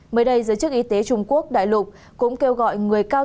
mới đây giới chức y tế trung quốc đại lục cũng kêu gọi người cao